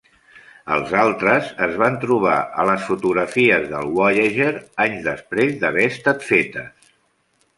Els altres es van trobar a les fotografies de Voyager anys després d'haver estat fetes.